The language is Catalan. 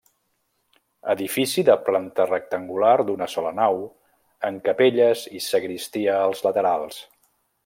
Edifici de planta rectangular, d'una sola nau amb capelles i sagristia als laterals.